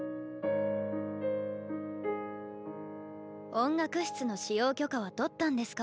音楽室の使用許可は取ったんですか？